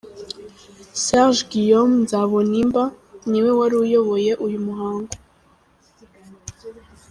: Serge Guillaume Nzabonimba niwe wari uyoboye uyu muhango.